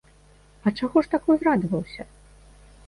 А чаго ж так узрадаваўся?